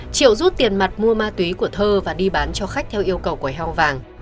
triệu rút tiền mặt mua ma túy của thơ và đi bán cho khách theo yêu cầu quầy heo vàng